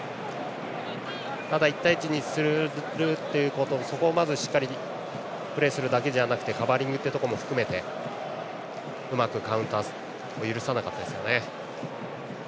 ただ１対１にするというところそこをまずしっかりプレーするだけじゃなくてカバーリングというところも含めてうまくカウンターを許さなかったですね。